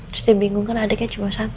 terus dia bingung kan adiknya cuma satu